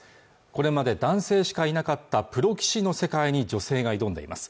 これまで男性しかいなかったプロ棋士の世界に女性が挑んでいます